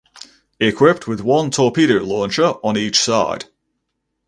Equipped with one torpedo launcher on each side.